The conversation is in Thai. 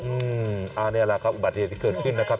อืมอันนี้แหละครับอุบัติเหตุที่เกิดขึ้นนะครับ